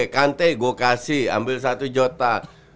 kante gue kasih ambil satu juta